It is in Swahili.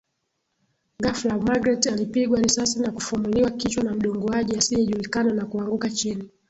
Ghafla Magreth alipigwa risasi na kufumuliwa kichwa na mdunguaji asiejulikana na kuanguka chini